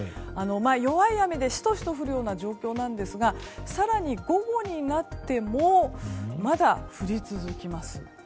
弱い雨でシトシト降るような状況なんですが更に午後になってもまだ降り続きます。